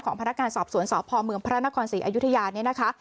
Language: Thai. ของพนักการณ์สอบสวนสอบพรพระนครศรีอยุธยานี้นะคะ